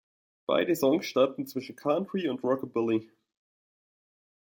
Beide Songs standen zwischen Country und Rockabilly.